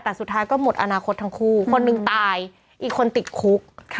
แต่สุดท้ายก็หมดอนาคตทั้งคู่คนหนึ่งตายอีกคนติดคุก